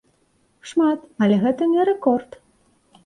Шмат, але гэта не рэкорд.